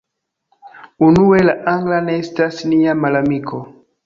Unue, la angla ne estas nia malamiko.